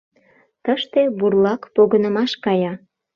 Тыште бурлак погынымаш кая.